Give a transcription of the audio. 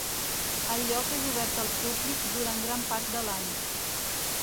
El lloc és obert al públic durant gran part de l'any.